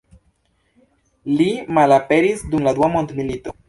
Li malaperis dum la dua mondmilito.